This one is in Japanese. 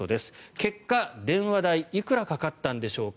結果、電話代いくらかかったんでしょうか。